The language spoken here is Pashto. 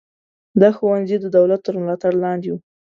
دا ښوونځي د دولت تر ملاتړ لاندې وو.